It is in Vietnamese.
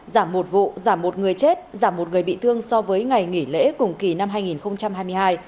giảm một vụ giảm một người chết giảm một người bị thương so với ngày nghỉ lễ cùng kỳ năm hai nghìn hai mươi hai